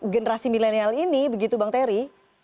generasi milenial ini begitu bang terry